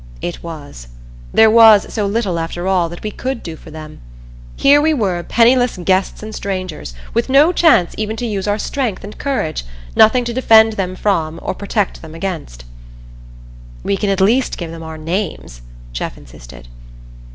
It was. There was so little, after all, that we could do for them. Here we were, penniless guests and strangers, with no chance even to use our strength and courage nothing to defend them from or protect them against. "We can at least give them our names," Jeff insisted.